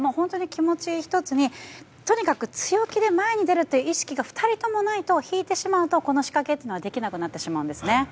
気持ち１つにとにかく強気で前に出るという気持ちが２人ともないと引いてしまうと、この仕掛けはできなくなってしまうんですね。